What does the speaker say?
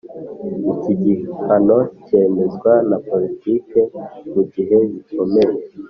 Iki gihano cyemezwa na Politiki mu gihe bikomeye